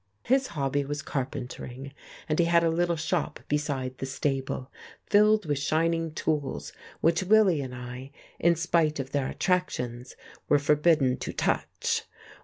His hobby was carpentering, and he had a little shop beside the stable filled with shining tools which Willie and I, in spite of their attractions, were forbidden to touch.